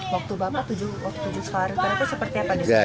waktu bapak tujuh seharian karena itu seperti apa disini